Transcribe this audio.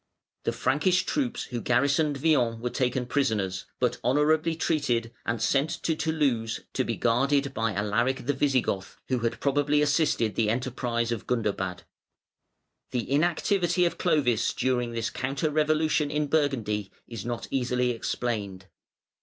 The Frankish troops who garrisoned Vienne were taken prisoners, but honourably treated and sent to Toulouse to be guarded by Alaric the Visigoth, who had probably assisted the enterprise of Gundobad. The inactivity of Clovis during this counter revolution in Burgundy is not easily explained.